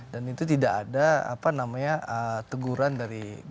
dan itu tidak ada apa namanya teguran dari